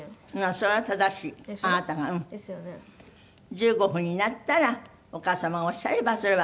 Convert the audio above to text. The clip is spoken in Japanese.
１５分になったらお母様がおっしゃればそれは。